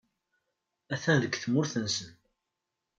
Atan deg tmurt-nnes.